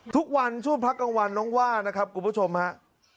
ทุกวันช่วงพระกังวัลน้องว่านะครับคุณผู้ชมครับ